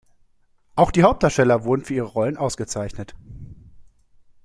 Auch die Hauptdarsteller wurden für ihre Rollen ausgezeichnet.